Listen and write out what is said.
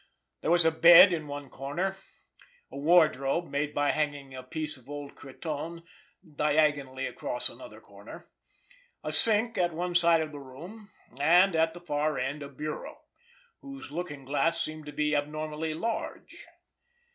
There was a bed in one corner; a wardrobe made by hanging a piece of old cretonne diagonally across another corner; a sink at one side of the room; and, at the far end, a bureau, whose looking glass seemed to be abnormally large.